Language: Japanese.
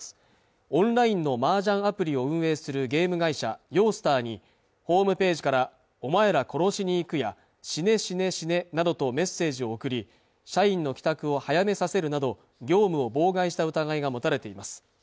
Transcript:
オンラインの麻雀アプリを運営するゲーム会社Ｙｏｓｔｅｒにホームページからお前ら殺しに行くや死ね死ね死ねなどとメッセージを送り社員の帰宅を早めさせるなど業務を妨害した疑いが持たれています